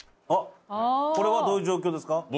これはどういう状況ですか？